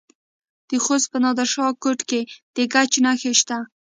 د خوست په نادر شاه کوټ کې د ګچ نښې شته.